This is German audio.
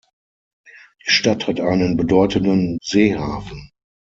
Die Stadt hat einen bedeutenden Seehafen.